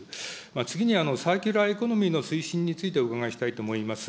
次にサーキュラーエコノミーの推進についてお伺いしたいと思います。